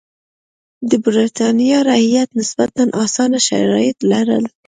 د برېټانیا رعیت نسبتا اسانه شرایط لرل.